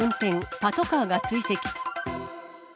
パトカーが追跡。